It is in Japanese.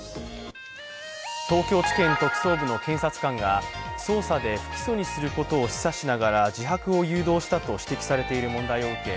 東京地検特捜部の検察官が捜査で不起訴にすることを示唆しながら自白を誘導したと指摘されている問題を受け